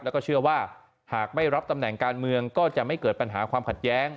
แล้วก็เชื่อว่าหากไม่รับตำแหน่งการเมืองก็จะไม่เกิดปัญหาความขัดแย้ง